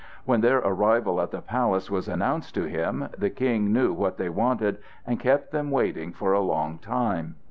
When their arrival at the palace was announced to him, the King knew what they wanted, and kept them waiting for a long time.